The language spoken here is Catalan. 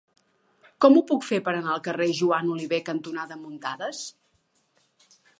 Com ho puc fer per anar al carrer Joan Oliver cantonada Muntadas?